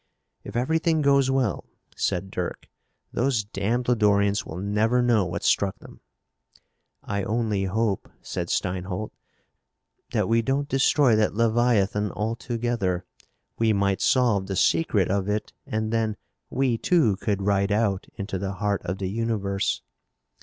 "If everything goes well," said Dirk, "those damned Lodorians will never know what struck them." "I only hope," said Steinholt, "that we don't destroy that leviathan altogether. We might solve the secret of it and then we, too, could ride out into the heart of the universe."